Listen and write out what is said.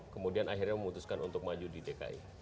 kemudian akhirnya memutuskan untuk maju di dki